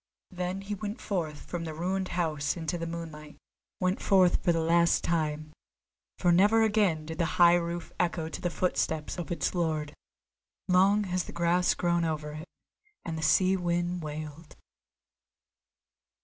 Then he went forth from the ruined house into the moonlight, went forth for the last time; for never again did the high roof echo to the footstep of its lord. Long has the grass grown over it, and the sea wind wailed!